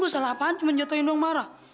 gua salah apaan cuma jatuhin orang marah